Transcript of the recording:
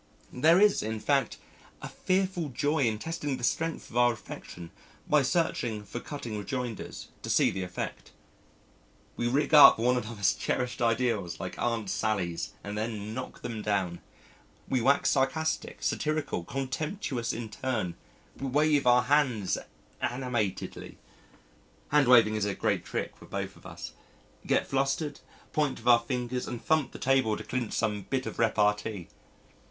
There is, in fact, a fearful joy in testing the strength of our affection by searching for cutting rejoinders to see the effect. We rig up one another's cherished ideals like Aunt Sallies and then knock them down, we wax sarcastic, satirical, contemptuous in turn, we wave our hands animatedly (hand waving is a great trick with both of us), get flushed, point with our fingers, and thump the table to clinch some bit of repartee.